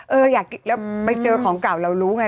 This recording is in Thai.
อยากกินแล้วไปเจอของเก่าเรารู้ไง